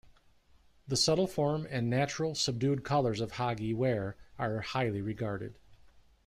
The subtle form and natural, subdued colors of Hagi ware are highly regarded.